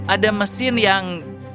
ada mesin yang